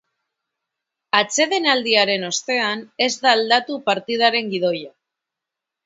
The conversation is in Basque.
Atsedenaldiaren ostean, ez da aldatu partidaren gidoia.